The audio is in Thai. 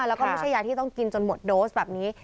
แล้วก็ไม่ใช่ยาที่ต้องกินจนหมดโดสแบบนี้